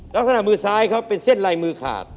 ลักษณะมือซ้ายเขาเป็นเส้นลายมือขาด